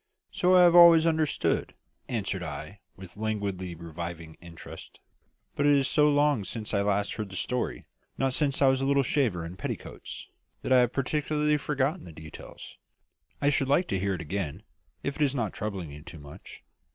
"So I have always understood," answered I, with languidly reviving interest. "But it is so long since I last heard the story not since I was a little shaver in petticoats that I have practically forgotten the details. I should like to hear it again, if it is not troubling you too much."